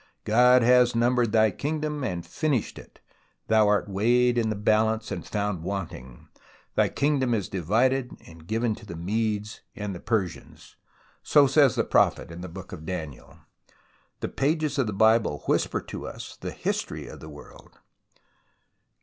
" God has numbered thy kingdom and finished it. Thou art weighed in the balance and found wanting. Thy kingdom is divided and given to the Medes and Persians," says the prophet in the Book of Daniel. The pages of the Bible whisper to us the history of the world.